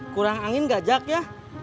kurang angin gak jack ya